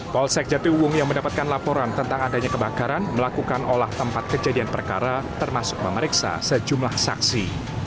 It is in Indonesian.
polsek jatiwung yang mendapatkan laporan tentang adanya kebakaran melakukan olah tempat kejadian perkara termasuk memeriksa sejumlah saksi